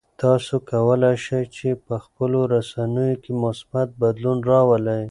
تاسو کولای شئ چې په خپلو رسنیو کې مثبت بدلون راولئ.